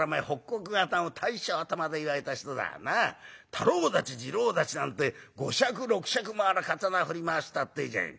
太郎太刀次郎太刀なんて五尺六尺もある刀振り回したっていうじゃねえ。